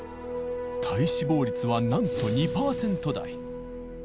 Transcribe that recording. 体脂肪率はなんと２％台。